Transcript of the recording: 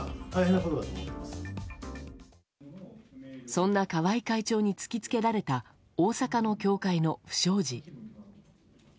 そんな川合会長に突き付けられた大阪の協会の不祥事。